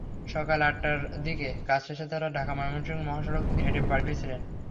সকাল আটটার দিকে কাজ শেষে তাঁরা ঢাকা-ময়মনসিংহ মহাসড়ক দিয়ে হেঁটে বাড়ি ফিরছিলেন।